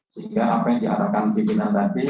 sehingga apa yang diarahkan pimpinan tadi